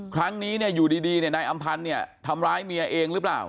ครั้งนี้อยู่ดีนายอำพันธ์เนี่ยทำร้ายเมียเองหรือเปล่า